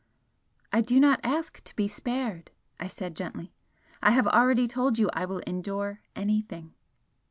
"I do not ask to be spared," I said, gently "I have already told you I will endure anything."